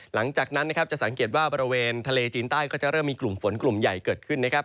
หลังจากนั้นนะครับจะสังเกตว่าบริเวณทะเลจีนใต้ก็จะเริ่มมีกลุ่มฝนกลุ่มใหญ่เกิดขึ้นนะครับ